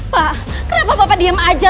pak kenapa bapak diam aja